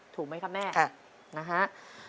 ถูกไหมครับแม่ครับ